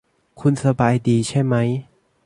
คุณสบายดีใช่มั้ย ?